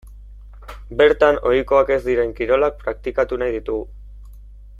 Bertan ohikoak ez diren kirolak praktikatu nahi ditugu.